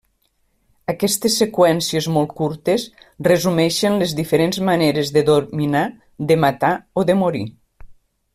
Aquestes seqüències molt curtes resumeixen les diferents maneres de dominar, de matar o de morir.